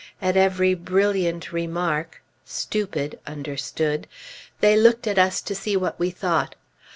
At every "brilliant" remark ("stupid" understood), they looked at us to see what we thought.